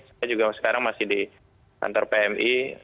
saya juga sekarang masih di kantor pmi